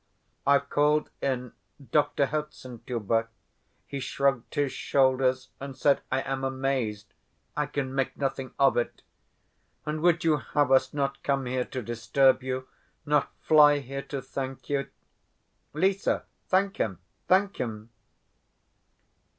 I've called in Doctor Herzenstube. He shrugged his shoulders and said, 'I am amazed; I can make nothing of it.' And would you have us not come here to disturb you, not fly here to thank you? Lise, thank him—thank him!"